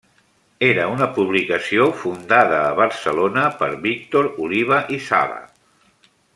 Era una publicació fundada a Barcelona per Víctor Oliva i Sala.